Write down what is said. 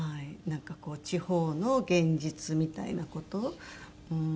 なんかこう地方の現実みたいな事うん。